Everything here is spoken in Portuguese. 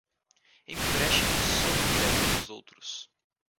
Empréstimo sob o teto dos outros